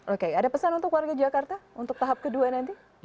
oke ada pesan untuk warga jakarta untuk tahap kedua nanti